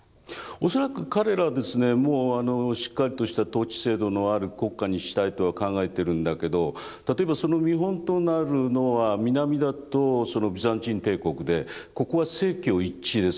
恐らく彼らはですねもうあのしっかりとした統治制度のある国家にしたいとは考えてるんだけど例えばその見本となるのは南だとビザンチン帝国でここは政教一致ですよね。